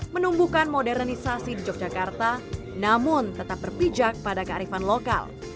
menumbuhkan modernisasi di yogyakarta namun tetap berpijak pada kearifan lokal